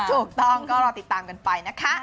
ถูกต้องก็รอติดตามกันไปนะคะ